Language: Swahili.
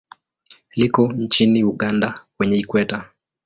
Liko nchini Uganda kwenye Ikweta.